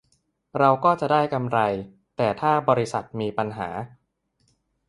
เราก็จะได้กำไร แต่ถ้าบริษัทมีปัญหา